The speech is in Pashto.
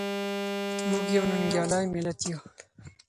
موږ یو ننګیالی ملت یو.